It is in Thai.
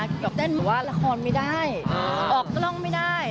แบบเต้นว่าระครไม่ได้ออกกล้องไม่ได้